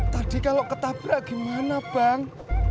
tadi kalau ketabrak gimana bang